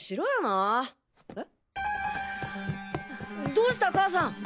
どうした母さん！